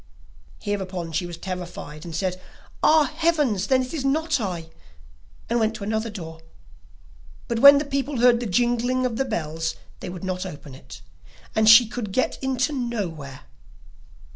Hereupon she was terrified, and said: 'Ah, heavens! Then it is not I,' and went to another door; but when the people heard the jingling of the bells they would not open it, and she could get in nowhere.